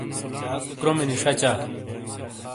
کرومینی شَچا۔